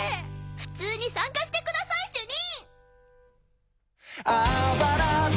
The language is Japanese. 普通に参加してください主任！